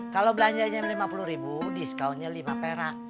kalau belanjanya lima puluh ribu diskaunnya lima perak